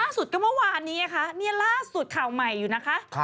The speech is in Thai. สุดก็เมื่อวานนี้นะคะนี่ล่าสุดข่าวใหม่อยู่นะคะ